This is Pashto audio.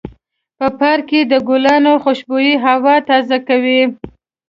په پارک کې د ګلانو خوشبو هوا تازه کوي.